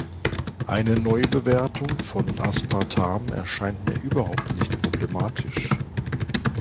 Eine Neuberwertung von Aspartam erscheint mir überhaupt nicht problematisch.